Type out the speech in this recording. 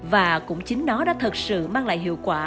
và cũng chính nó đã thật sự mang lại hiệu quả